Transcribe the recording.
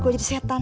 gue jadi setan